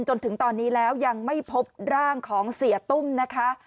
จนถึงตอนนี้แล้วยังไม่พบร่างของเสียตุ้มนะคะ